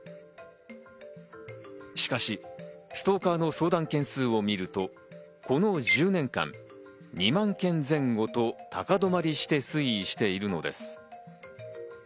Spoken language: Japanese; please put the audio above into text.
しかしストーカーの相談件数を見ると、この１０年間、２万件前後と高止まりして推移しているのです。